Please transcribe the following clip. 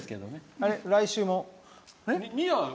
あれ、来週も。